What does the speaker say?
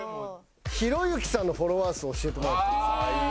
ひろゆきさんのフォロワー数教えてもらっていいですか？